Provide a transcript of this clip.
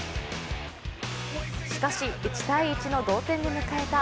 しかし、１−１の同点で迎えた